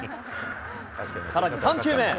さらに３球目。